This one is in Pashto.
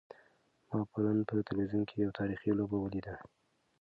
ما پرون په تلویزیون کې یوه تاریخي لوبه ولیده.